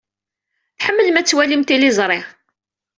Tḥemmlem ad twalim tiliẓri.